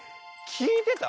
きいてた？